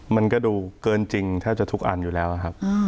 มันก็ดูเกินจริงแทบจะทุกอันอยู่แล้วครับ